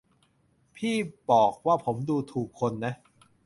พี่บอกว่าผมดูถูกคนนะ